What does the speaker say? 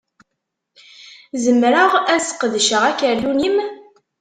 Zemreɣ ad ssqedceɣ akeryun-im?